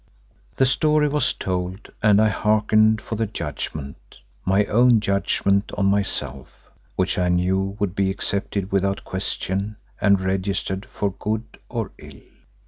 The story was told and I hearkened for the judgment, my own judgment on myself, which I knew would be accepted without question and registered for good or ill.